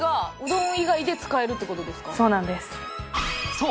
そう